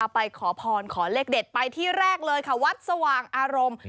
ไปขอพรขอเลขเด็ดไปที่แรกเลยค่ะวัดสว่างอารมณ์